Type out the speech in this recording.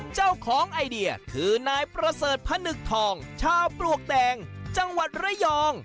เจ้าของไอเดียคือนายประเสริฐพนึกทองชาวปลวกแดงจังหวัดระยอง